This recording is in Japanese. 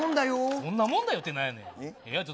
そんなもんだよってなんやねん。